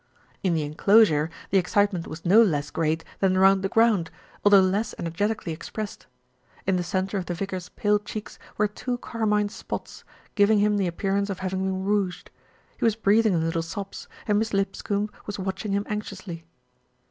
In the enclosure the excitement was no less great than round the ground, although less energetically ex pressed. In the centre of the vicar's pale cheeks were two carmine spots, giving him the appearance of having been rouged. He was breathing in little sobs, and Miss Lipscombe was watching him anxiously.